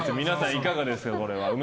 いかがですか。